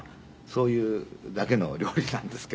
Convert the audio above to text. そういうだけの料理なんですけど。